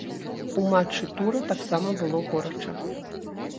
У матчы тура таксама было горача.